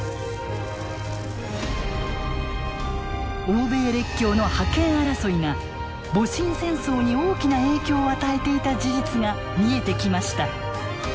欧米列強の覇権争いが戊辰戦争に大きな影響を与えていた事実が見えてきました。